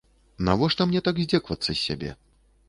Навошта мне так здзекавацца з сябе?